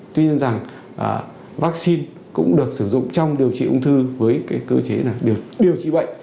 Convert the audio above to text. tuy nhiên rằng vaccine cũng được sử dụng trong điều trị ung thư với cái cơ chế được điều trị bệnh